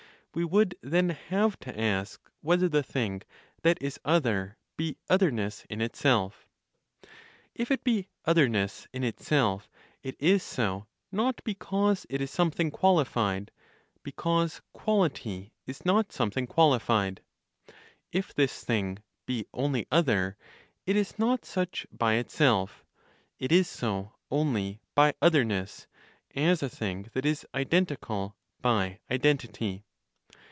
We would then have to ask whether the thing that is other be otherness in itself? If it be otherness in itself, it is so not because it is something qualified, because quality is not something qualified. If this thing be only other, it is not such by itself, it is so only by otherness, as a thing that is identical by identity.